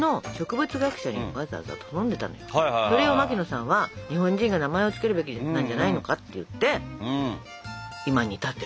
それを牧野さんは日本人が名前を付けるべきなんじゃないのかって言って今に至ってるわけよ。